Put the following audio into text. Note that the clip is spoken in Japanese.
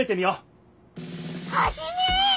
ハジメ！